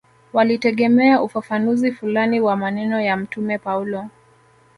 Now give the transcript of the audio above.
Walitegemea ufafanuzi fulani wa maneno ya Mtume Paulo